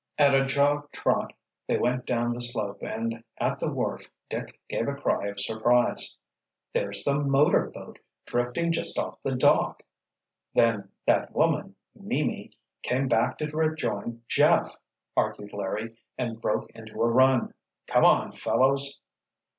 At a jog trot they went down the slope and at the wharf Dick gave a cry of surprise. "There's the motor boat—drifting just off the dock!" "Then that woman—Mimi—came back to rejoin Jeff!" argued Larry, and broke into a run. "Come on, fellows!"